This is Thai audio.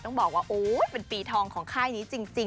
ต้องบอกว่าเป็นปีทองของค่ายนี้จริงนะครับ